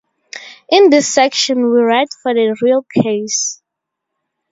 In this section we write for the real case.